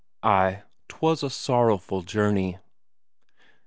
Ay, 'twas a sorrowful journey.